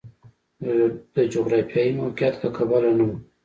د جغرافیوي موقعیت له کبله نه و.